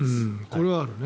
これはあるね。